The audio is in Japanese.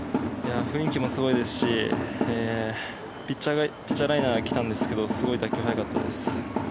雰囲気もすごいですしピッチャーライナーが来たんですがすごい打球が速かったです。